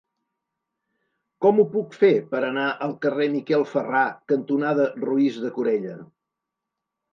Com ho puc fer per anar al carrer Miquel Ferrà cantonada Roís de Corella?